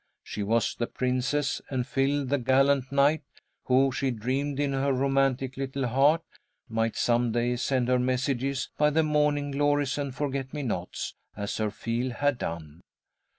She was the princess, and Phil the gallant knight, who, she dreamed in her romantic little heart, might some day send her messages by the morning glories and forget me nots, as Sir Feal had done.